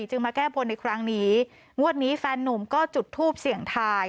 มาแก้บนในครั้งนี้งวดนี้แฟนนุ่มก็จุดทูปเสี่ยงทาย